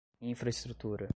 infraestrutura